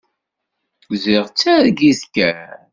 Ziɣ d targit kan.